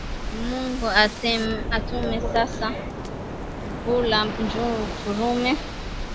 Mungu atume sasa mvula nju turime